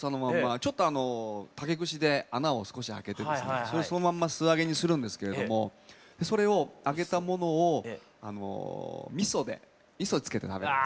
ちょっと竹串で穴を少し開けてそのまんま素揚げにするんですけれどもそれを揚げたものをみそをつけて食べるんですね。